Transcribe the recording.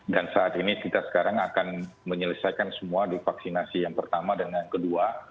dan saat ini kita sekarang akan menyelesaikan semua di vaksinasi yang pertama dan yang kedua